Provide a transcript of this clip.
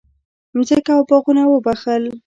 مځکه او باغونه وبخښل.